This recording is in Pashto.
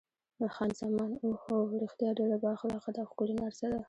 خان زمان: اوه هو، رښتیا ډېره با اخلاقه ده، ښکلې نرسه ده.